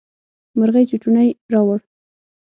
مرغۍ چوچوڼی راووړ.